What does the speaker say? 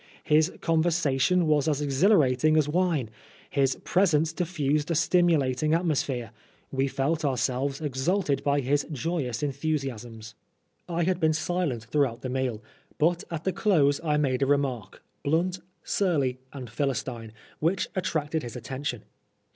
His conversation was as exhilarating as wine ; his presence diffused a stimulating atmosphere ; we felt ourselves exalted by his joyous enthusiasms. I had been silent throughout the meal, but at the close I made a remark, blunt, surly, and Philistine, which attracted his attention.